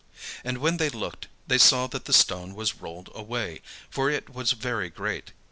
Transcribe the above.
And when they looked, they saw that the stone was rolled away: for it was very great.